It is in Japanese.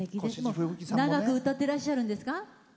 長く歌ってらっしゃるんですか？